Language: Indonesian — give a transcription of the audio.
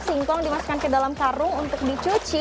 singkong dimasukkan ke dalam karung untuk dicuci